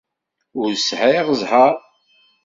Ur sɛiɣ zheṛ.